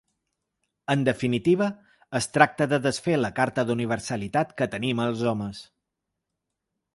En definitiva, es tracta de desfer la carta d’universalitat que tenim els homes.